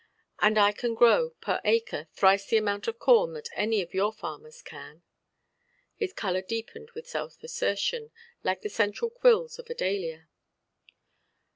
And I can grow, per acre, thrice the amount of corn that any of your farmers can". His colour deepened with self–assertion, like the central quills of a dahlia.